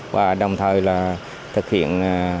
và đồng thời là thực hiện